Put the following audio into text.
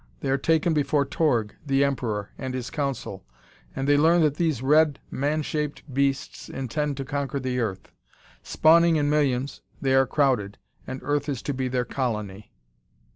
They are taken before Torg, the emperor, and his council, and they learn that these red, man shaped beasts intend to conquer the earth. Spawning in millions, they are crowded, and Earth is to be their colony.